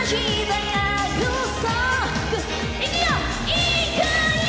いくよ！